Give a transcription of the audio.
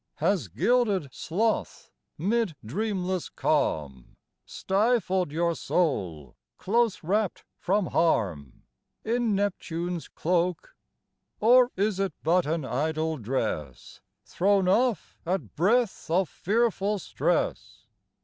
Has gilded sloth 'mid dreamless calm Stifled your soul, close wrapped from harm, In Neptune's cloak? Or is it but an idle dress, Thrown off at breath of fearful stress?